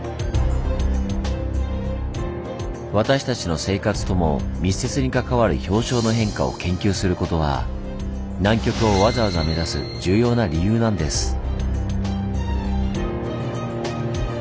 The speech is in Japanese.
私たちの生活とも密接に関わる氷床の変化を研究することは南極をわざわざ目指す重要な理由なんです。